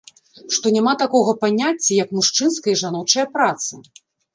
Што няма такога паняцця, як мужчынская і жаночая праца.